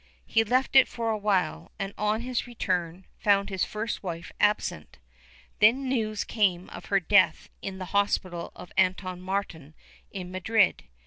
He left it for awhile and on his return found his first wife absent. Then news came of her death in the hospital of Anton Martin in Madrid.